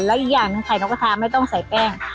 และอีกอย่างหนึ่งไข่นกกระทาไม่ต้องใส่แป้ง